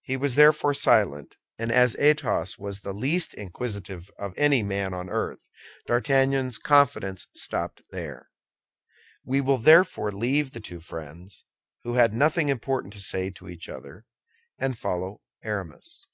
He was therefore silent; and as Athos was the least inquisitive of any man on earth, D'Artagnan's confidence stopped there. We will therefore leave the two friends, who had nothing important to say to each other, and follow Aramis.